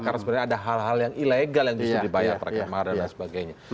karena sebenarnya ada hal hal yang ilegal yang disuruh dibayar perkemaran dan sebagainya